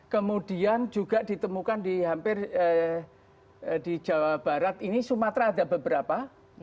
kemudian juga ditemukan di hampir di jawa barat ini sumatera ada beberapa